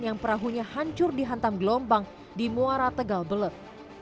yang perahunya hancur dihantam gelombang di muara tegal belet